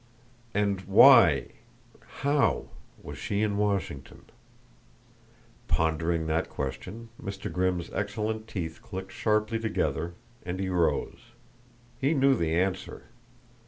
And why how was she in Washington? Pondering that question, Mr. Grimm's excellent teeth clicked sharply together and he rose. He knew the answer.